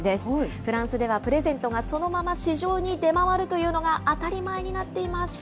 フランスではプレゼントがそのまま市場に出回るというのが当たりえっ？